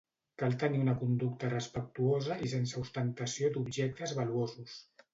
Cal tenir una conducta respectuosa i sense ostentació d'objectes valuosos.